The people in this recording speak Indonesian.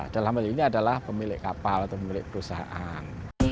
dalam hal ini adalah pemilik kapal atau pemilik perusahaan